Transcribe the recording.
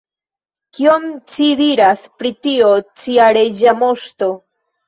Kion ci diras pri tio, cia Reĝa Moŝto?